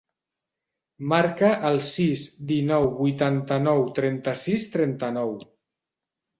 Marca el sis, dinou, vuitanta-nou, trenta-sis, trenta-nou.